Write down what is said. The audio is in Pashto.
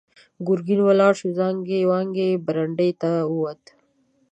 ګرګين ولاړ شو، زانګې وانګې برنډې ته ووت.